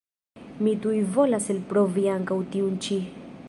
Mi tuj volas elprovi ankaŭ tiun ĉi.